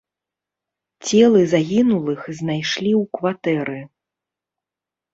Целы загінулых знайшлі ў кватэры.